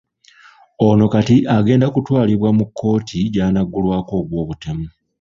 Ono kati agenda kutwalibwa mu kkooti gy'anaggulwako ogw'obutemu.